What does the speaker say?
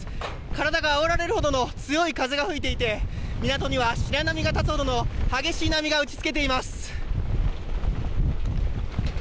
体があおられるほどの強い風が吹いていて、港には白波が立つほどの激しい波が打ち付けています。